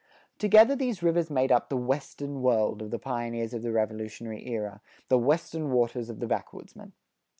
Together these rivers made up the "Western World" of the pioneers of the Revolutionary era; the "Western Waters" of the backwoodsmen.